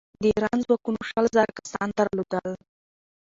د ایران ځواکونو شل زره کسان درلودل.